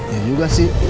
yang juga sih